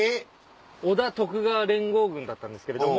織田・徳川連合軍だったんですけれども。